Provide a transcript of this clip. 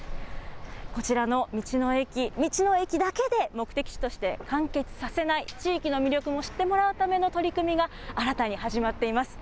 こちらの道の駅、道の駅だけで目的地として完結させない、地域の魅力も知ってもらうための取り組みが、新たに始まっています。